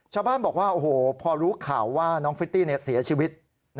ชาวบ้านบอกว่าโอ้โหพอรู้ข่าวว่าน้องฟิตตี้เสียชีวิต